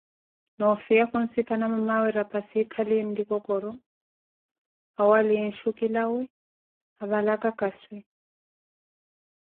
Nó fiya khunssikana mamawe rapassi ekaliye nlikokoroh, awaliye nshuki lawee avalakaka swi